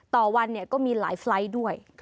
ต่อวันก็มีหลายไฟล์ทด้วย